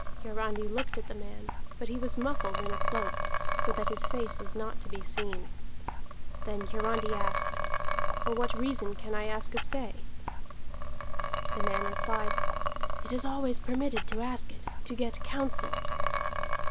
Hiarandi looked at the man, but he was muffled in a cloak, so that his face was not to be seen. Then Hiarandi asked: "For what reason can I ask a stay?" The man replied: "It is always permitted to ask it, to get counsel."